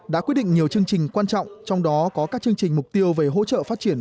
đã quyết định nhiều chương trình quan trọng trong đó có các chương trình mục tiêu về hỗ trợ phát triển